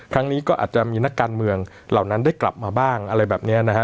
ครั้งนี้ก็อาจจะมีนักการเมืองเหล่านั้นได้กลับมาบ้างอะไรแบบนี้นะฮะ